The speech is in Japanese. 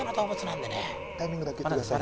タイミングだけ言ってくださいね。